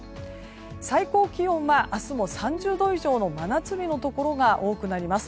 最高気温は明日も３０度以上の真夏日のところが多くなります。